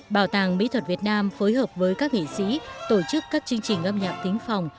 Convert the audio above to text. bảo tàng mỹ thuật việt nam phối hợp với các nghệ sĩ tổ chức các chương trình âm nhạc tính phòng